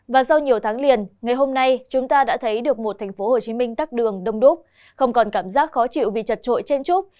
và sau nhiều tháng liền ngày hôm nay chúng ta đã thấy được một tp hcm tắt đường đông đốt không còn cảm giác khó chịu vì chật trội trên trúc